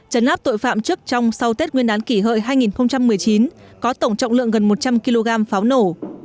chấn áp tội phạm trước trong sau tết nguyên đán kỷ hợi hai nghìn một mươi chín có tổng trọng lượng gần một trăm linh kg pháo nổ